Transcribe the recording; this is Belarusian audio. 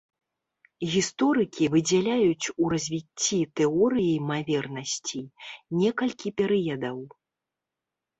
Гісторыкі выдзяляюць у развіцці тэорыі імавернасцей некалькі перыядаў.